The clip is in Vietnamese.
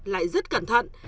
lại rất cẩn thận